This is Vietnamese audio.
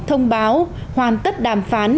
thông báo hoàn tất đàm phán